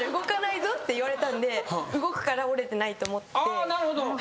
あーなるほど。